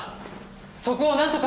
そこをなんとか！